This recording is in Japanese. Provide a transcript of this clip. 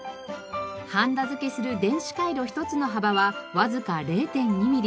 はんだ付けする電子回路１つの幅はわずか０．２ミリ。